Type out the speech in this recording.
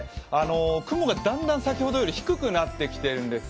雲がだんだん、先ほどより低くなってきてるんですよ。